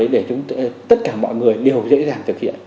để tất cả mọi người đều dễ dàng thực hiện